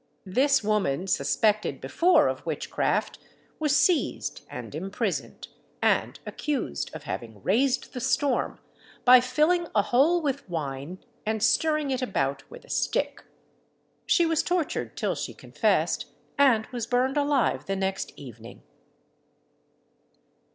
This woman, suspected before of witchcraft, was seized and imprisoned, and accused of having raised the storm, by filling a hole with wine, and stirring it about with a stick. She was tortured till she confessed, and was burned alive the next evening.